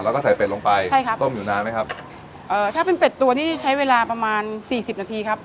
แล้วก็ใส่เป็ดลงไปใช่ครับต้มอยู่นานไหมครับเอ่อถ้าเป็นเป็ดตัวนี่ใช้เวลาประมาณสี่สิบนาทีครับ